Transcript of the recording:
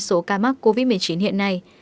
số ca mắc covid một mươi chín hiện nay